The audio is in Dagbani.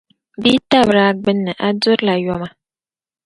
Bɛ yi tabiri a gbini, a durila yom.